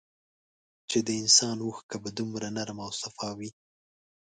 چي د انسان اوښکه به دومره نرمه او سپا وې